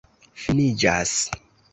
finiĝas